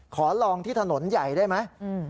ขอลองที่ถนนใหญ่ได้ไหม